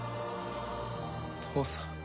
父さん。